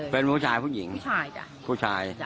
เป็นผู้ชายผู้หญิงผู้ชายจ้ะผู้ชาย